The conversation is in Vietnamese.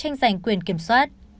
nằm quyền kiểm soát